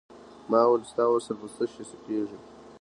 ما وویل ستا وصل په څه شی کېږي.